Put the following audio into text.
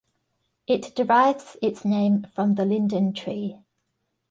It derives its name from the Linden Tree.